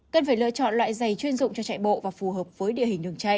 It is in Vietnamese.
cần phải lựa chọn loại dày chuyên dụng cho chạy bộ và phù hợp với địa hình đường chạy